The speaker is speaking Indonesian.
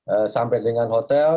ee sampai dengan hotel